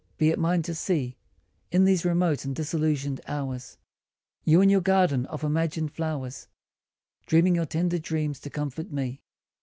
be it mine to see, In these remote and disillusioned hours, You in your garden of imagined flowers Dreaming your tender dreams to comfort me.